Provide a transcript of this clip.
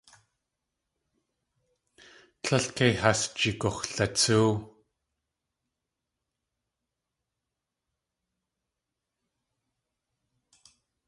Tlél kei has jigux̲latsóow.